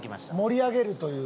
盛り上げるという？